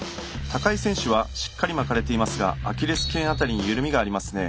高井選手はしっかり巻かれていますがアキレス腱辺りに緩みがありますね。